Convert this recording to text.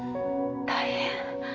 大変。